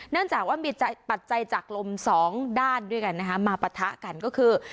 จากว่ามีปัจจัยจากลมสองด้านด้วยกันนะคะมาปะทะกันก็คือ